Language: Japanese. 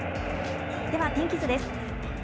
では天気図です。